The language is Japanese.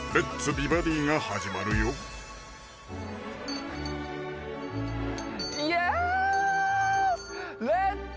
美バディ」が始まるよ「レッツ！